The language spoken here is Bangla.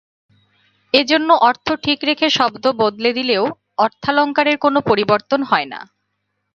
এজন্য অর্থ ঠিক রেখে শব্দ বদলে দিলেও অর্থালঙ্কারের কোনো পরিবর্তন হয় না।